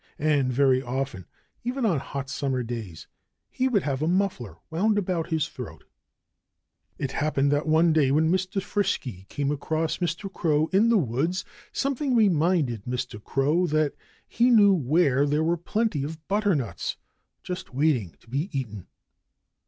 And very often, even on hot summer days, he would have a muffler wound about his throat. It happened that one day when Frisky came across Mr. Crow in the woods, something reminded Mr. Crow that he knew where there were plenty of butternuts just waiting to be eaten.